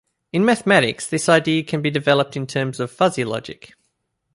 In mathematics, this idea can be developed in terms of fuzzy logic.